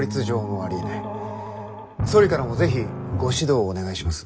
総理からも是非ご指導をお願いします。